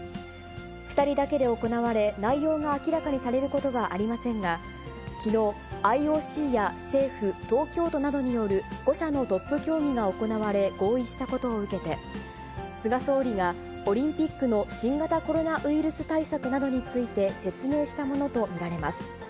２人だけで行われ、内容が明らかにされることはありませんが、きのう、ＩＯＣや政府、東京都などによる５者のトップ協議が行われ、合意したことを受けて、菅総理が、オリンピックの新型コロナウイルス対策などについて、説明したものと見られます。